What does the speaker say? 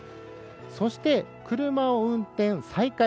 そして、車を運転再開。